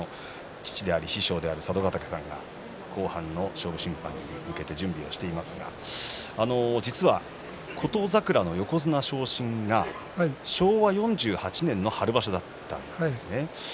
父であり師匠である佐渡ヶ嶽さんが後半の勝負審判に向けて準備をしていますが実は琴櫻の横綱昇進が昭和４８年の春場所だったんですね。